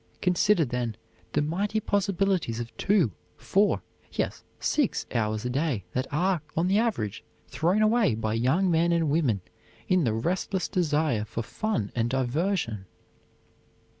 Consider, then, the mighty possibilities of two four yes, six hours a day that are, on the average, thrown away by young men and women in the restless desire for fun and diversion!